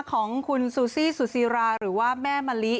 ของคุณซูซี่สุซีราหรือว่าแม่มะลิ